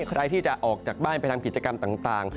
ใครที่จะออกจากบ้านไปทำกิจกรรมต่าง